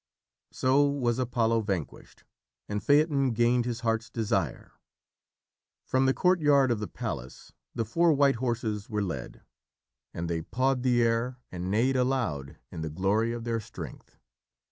So was Apollo vanquished, and Phaeton gained his heart's desire. From the courtyard of the Palace the four white horses were led, and they pawed the air and neighed aloud in the glory of their strength.